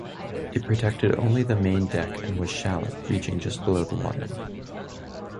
It protected only the main deck and was shallow, reaching just below the waterline.